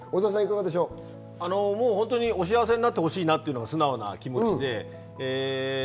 ホントにお幸せになってほしいなというのが素直な気持ちで。